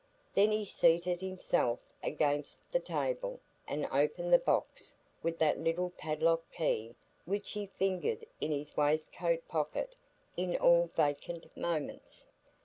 Then he seated himself against the table, and opened the box with that little padlock key which he fingered in his waistcoat pocket in all vacant moments.